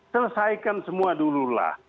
selesaikan semua dululah